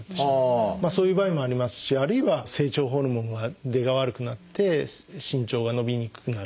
そういう場合もありますしあるいは成長ホルモンの出が悪くなって身長が伸びにくくなる。